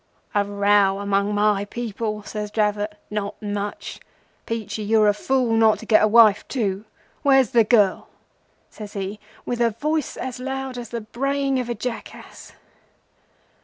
"'A row among my people!' says Dravot. 'Not much. Peachy, you're a fool not to get a wife too. Where's the girl?' says he with a voice as loud as the braying of a jackass.